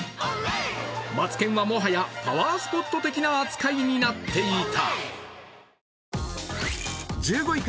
マツケンはもはやパワースポット的な扱いになっていた。